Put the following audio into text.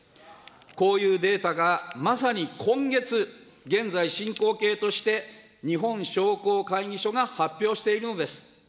こういうデータがまさに今月、現在進行形として、日本商工会議所が発表しているのです。